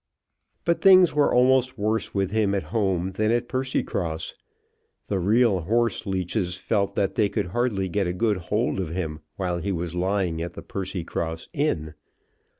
But things were almost worse with him at home than at Percycross. The real horseleeches felt that they could hardly get a good hold of him while he was lying at the Percycross inn.